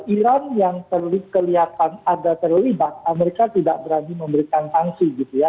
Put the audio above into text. iran yang kelihatan ada terlibat amerika tidak berani memberikan sanksi gitu ya